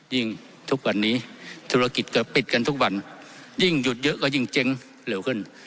ยิ่งทุกวันนี้ธุรกิจก็ปิดกันทุกวันยิ่งหยุดเยอะก็ยิ่งเจ๊งเร็วขึ้น